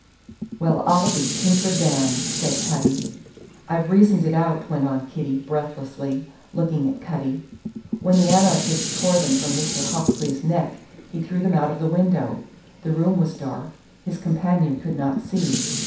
"Well, I'll be tinker dammed!" said Cutty. "I've reasoned it out," went on Kitty, breathlessly, looking at Cutty, "When the anarchist tore them from Mr. Hawksley's neck, he threw them out of the window. The room was dark; his companion could not see.